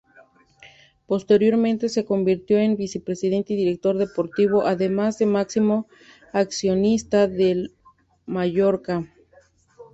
Posteriormente se convirtió en vicepresidente y director deportivo, además de máximo accionista del Mallorca.